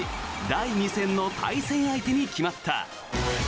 第２戦の対戦相手に決まった。